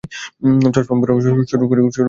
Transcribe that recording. চশমা পরা শুরু করলি কবে থেকে ভাই?